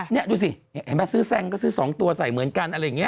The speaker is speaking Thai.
นี่ดูสิเห็นไหมซื้อแซงก็ซื้อ๒ตัวใส่เหมือนกันอะไรอย่างนี้